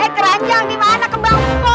eh keranjang dimana kembang mpo